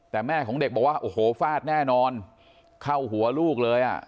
แต่แม่ของเด็กบอกว่าโอ้โหฟาดแน่นอนเข้าหัวลูกเลยอ่ะ